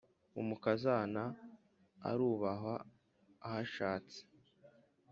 umukazana arubahwa aho ashatse